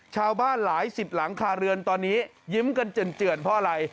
ชาวบ้านหลายสิบหลังคาเรือนตอนนี้ยิ้มกันเจื่อนเพราะอะไร